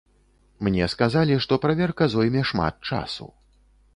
Мне сказалі, што праверка зойме шмат часу.